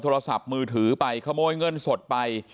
โทรศัพท์มือถือไปขโมยเงินสดไป